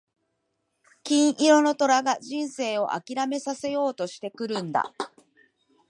金色の虎が人生を諦めさせようとしてくるんだ。